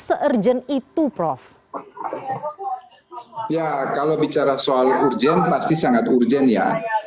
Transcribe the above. se urgent itu prof ya kalau bicara soal urgent pasti sangat urgent ya